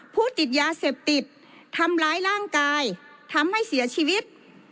ติดยาเสพติดทำร้ายร่างกายทำให้เสียชีวิต